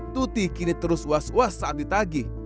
tuti kini terus was was saat ditagih